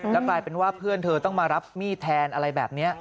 แล้วกลายเป็นว่าเพื่อนเธอต้องมารับมีดแทนอะไรแบบนี้